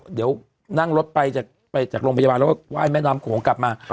เดี๋ยวนั่งรถไปจากโรงพยาบาลแล้วก็ไหว้แม่น้ำโขงกลับมา